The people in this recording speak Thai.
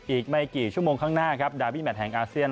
อีกไม่กี่ชั่วโมงข้างหน้าครับดาบี้แมทแห่งอาเซียน